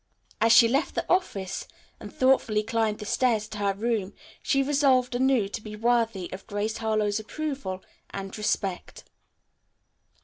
As she left the office and thoughtfully climbed the stairs to her room she resolved anew to be worthy of Grace Harlowe's approval and respect.